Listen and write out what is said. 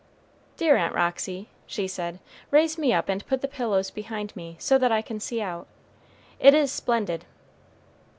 "Dear Aunt Roxy," she said, "raise me up and put the pillows behind me, so that I can see out it is splendid."